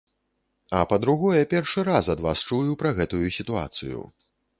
А, па-другое, першы раз ад вас чую пра гэтую сітуацыю.